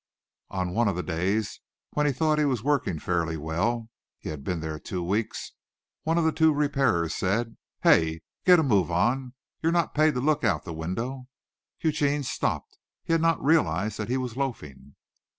On one of the days when he thought he was working fairly well (he had been there two weeks), one of the two repairers said, "Hey, get a move on you. You're not paid to look out the window." Eugene stopped. He had not realized that he was loafing.